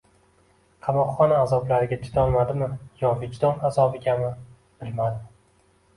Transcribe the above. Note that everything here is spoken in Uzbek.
Qamoqxona azoblariga chidolmadimi yo vijdon azobigami, bilmadim